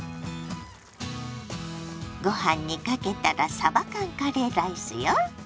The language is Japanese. ご飯にかけたらさば缶カレーライスよ。